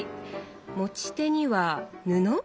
持ち手には布？